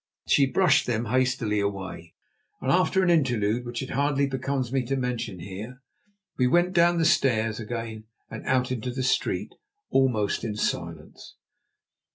She brushed them hastily away, and after an interlude which it hardly becomes me to mention here, we went down the stairs again and out into the street, almost in silence.